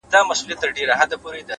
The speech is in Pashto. صبر د بریا د لارې رفیق دی،